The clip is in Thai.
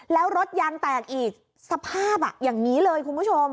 แล้วรถยางแตกอีกสภาพอย่างนี้เลยคุณผู้ชม